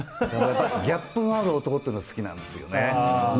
ギャップがある男というのが好きなんですよね。